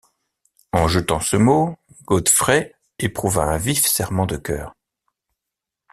En jetant ce mot, Godfrey éprouva un vif serrement de cœur.